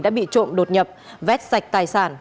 đã bị trộm đột nhập vét sạch tài sản